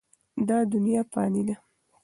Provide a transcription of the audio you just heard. دا دنیا فاني ده.